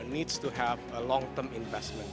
perlu memiliki investasi panjang